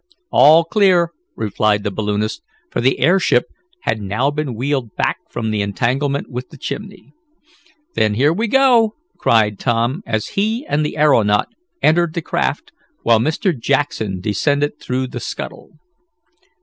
"All clear," replied the balloonist, for the airship had now been wheeled back from the entanglement with the chimney. "Then here we go!" cried Tom, as he and the aeronaut entered the craft, while Mr. Jackson descended through the scuttle.